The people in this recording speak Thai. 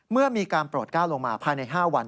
เมื่อมีการโปรดก้าวลงมาภายใน๕วัน